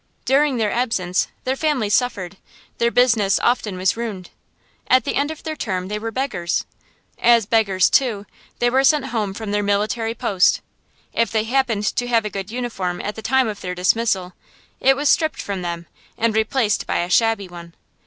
During their absence their families suffered, their business often was ruined. At the end of their term they were beggars. As beggars, too, they were sent home from their military post. If they happened to have a good uniform at the time of their dismissal, it was stripped from them, and replaced by a shabby one.